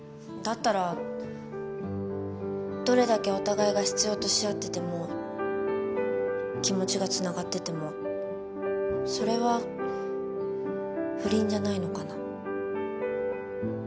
だったらどれだけお互いが必要とし合ってても気持ちがつながっててもそれは不倫じゃないのかな？